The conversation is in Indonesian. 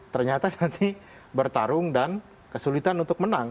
ternyata nanti bertarung dan kesulitan untuk menang